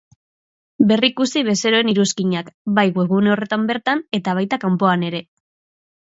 Berrikusi bezeroen iruzkinak, bai webgune horretan bertan eta baita kanpoan ere.